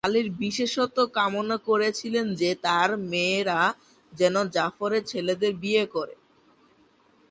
আলীর বিশেষত কামনা করেছিলেন যে তাঁর মেয়েরা যেনো জাফরের ছেলেদের বিয়ে করে।